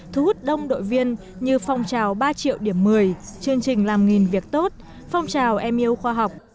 thu hút đông đội viên như phong trào ba triệu điểm một mươi chương trình làm nghìn việc tốt phong trào em yêu khoa học